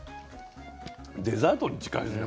デザートに近いですね